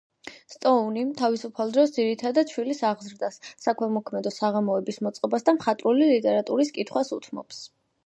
სტოუნი თავისუფალ დროს, ძირითადად, შვილის აღზრდას, საქველმოქმედო საღამოების მოწყობას და მხატვრული ლიტერატურის კითხვას უთმობს.